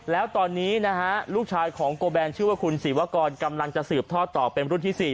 แล้วตอนนี้นะฮะลูกชายของโกแบนชื่อว่าคุณศิวากรกำลังจะสืบทอดต่อเป็นรุ่นที่๔